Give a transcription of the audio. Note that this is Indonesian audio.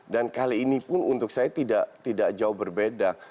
dan kali ini pun untuk saya tidak jauh berbeda